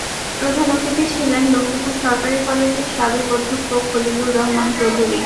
প্রধান অতিথি ছিলেন লক্ষ্মীপুর সরকারি কলেজের সাবেক অধ্যক্ষ খলিলুর রহমান চৌধুরী।